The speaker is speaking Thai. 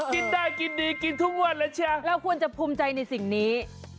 กินได้กินดีกินทุกวันแล้วใช่ไหมเราควรจะภูมิใจในสิ่งนี้